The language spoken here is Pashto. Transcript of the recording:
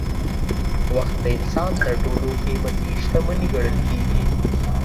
وخت د انسان تر ټولو قیمتي شتمني ګڼل کېږي.